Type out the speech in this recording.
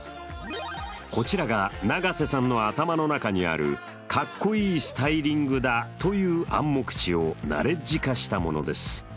こちらが永瀬さんの頭の中にある「かっこいいスタイリングだ」という暗黙知をナレッジ化したものです。